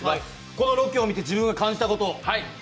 このロケを通じて自分が感じたこと。